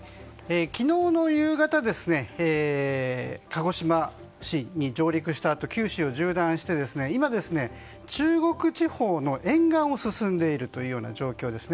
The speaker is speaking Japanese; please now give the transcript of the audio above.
昨日の夕方鹿児島市に上陸したあと九州を縦断して今は中国地方の沿岸を進んでいるという状況です。